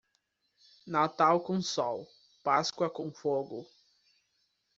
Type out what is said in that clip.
Natal com sol, Páscoa com fogo.